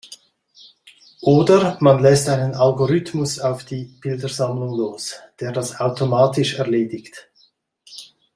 Oder man lässt einen Algorithmus auf die Bildersammlung los, der das automatisch erledigt.